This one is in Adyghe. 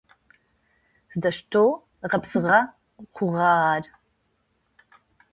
Сыдэущтэу гъэпсыгъэ хъугъа ар?